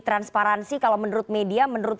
transparansi kalau menurut media menurut